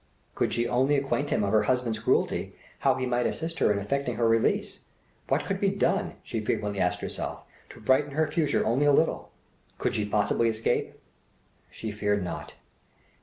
Could she only acquaint him of her husband's cruelty, how he might assist her in effecting her release. What could be done, she frequently asked herself, to brighten her future only a little? Could she possibly escape? She feared not.